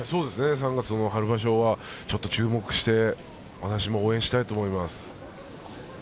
３月も春場所はちょっと注目して私も応援したいと思います。